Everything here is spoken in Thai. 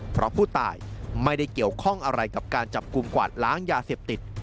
เพราะผู้ตายไม่ได้เกี่ยวข้องอะไรกับการจับกลุ่มกวาดล้างยาเสพติด